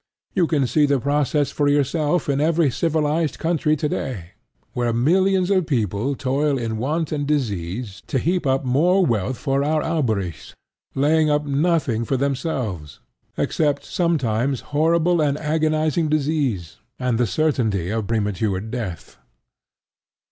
You can see the process for yourself in every civilized country today, where millions of people toil in want and disease to heap up more wealth for our Alberics, laying up nothing for themselves, except sometimes horrible and agonizing disease and the certainty of premature death.